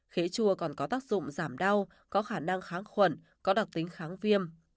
khế chua còn có tác dụng giảm đau có khả năng kháng khuẩn có đặc tính kháng viêm